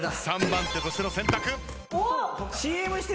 ３番手としての選択。